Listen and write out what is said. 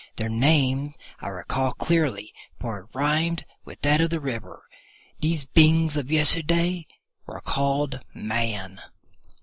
Their name I recall clearly, for it rhymed with that of the river. These beings of yesterday were called Man."